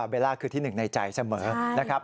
เวลาคือที่หนึ่งในใจเสมอนะครับ